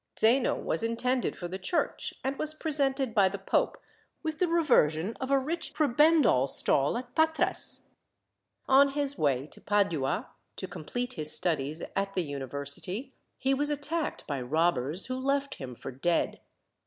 Zeno was intended for the church, and was presented by the pope with the reversion of a rich prebendal stall at Patras. On his way to Padua, to complete his studies at the university, he was attacked by robbers, who left him for dead.